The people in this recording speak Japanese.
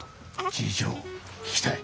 事情聞きたい？